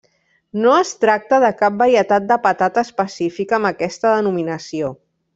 No es tracta de cap varietat de patata específica amb aquesta denominació.